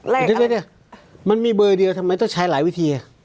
เดี๋ยวมันมีเบอร์เดียวทำไมต้องใช้หลายวิธี